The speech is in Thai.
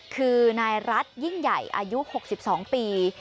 คือนายรัฐยิ่งใหญ่อายุ๖๒ปี